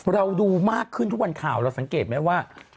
เราดูมากขึ้นทุกวันข่าวเราสังเกตไหมว่า